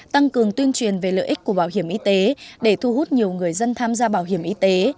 tăng cường tuyên truyền về lợi ích của bảo hiểm y tế để thu hút nhiều người dân tham gia bảo hiểm y tế